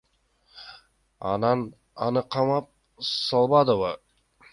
Анан аны камап салбадыбы.